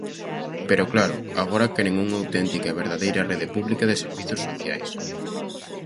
Pero claro, ¡agora queren unha auténtica e verdadeira rede pública de servizos sociais!